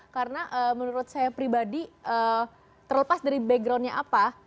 karena menurut saya pribadi terlepas dari backgroundnya apa